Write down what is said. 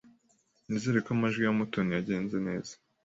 Nizere ko amajwi ya Mutoni yagenze neza.